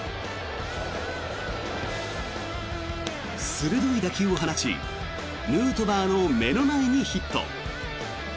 鋭い打球を放ちヌートバーの目の前にヒット。